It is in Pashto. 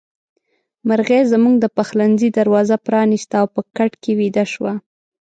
مرغۍ زموږ د پخلنځي دروازه پرانيسته او په کټ کې ويده شوه.